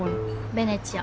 ベネチア。